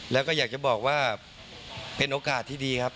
แล้วก็อยากจะบอกว่าเป็นโอกาสที่ดีครับ